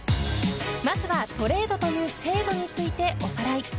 まずはトレードという制度についておさらい。